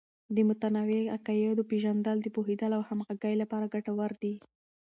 د متنوع عقایدو پیژندل د پوهیدلو او همغږۍ لپاره ګټور دی.